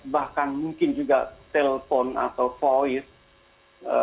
bahkan mungkin juga telpon atau voice